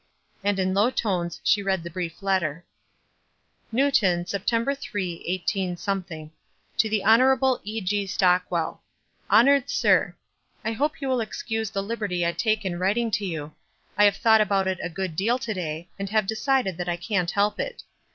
And in low tones she read the brief letter. " Newton, Sept. 3, 18—. "To the Hon. E. G. Stockwell :—" Honored Sir :— I hope you will excuse the liberty I take in writing to you. I have thought about it a good deal to day, and have decided that I can't help it.